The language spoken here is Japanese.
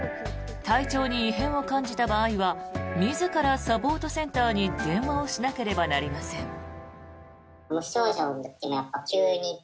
体調に異変を感じた場合は自らサポートセンターに電話をしなければなりません。